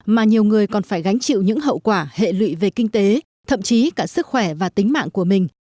mà nhiều người còn phải gánh chịu những hậu quả hệ lụy về kinh tế thậm chí cả sức khỏe và tính mạng của mình